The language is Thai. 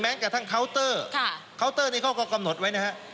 กระทั่งเคาน์เตอร์เคาน์เตอร์นี้เขาก็กำหนดไว้นะฮะ